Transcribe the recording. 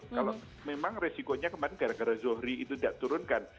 kalau memang resikonya kemarin gara gara zohri itu tidak turunkan